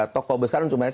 tokoh besar dan makin magnet